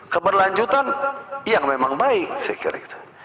keberlanjutan yang memang baik saya kira